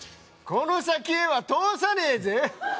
「この先へは通さねぇぜ！！！」